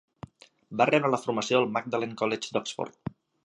Va rebre la formació al Magdalen College d'Oxford.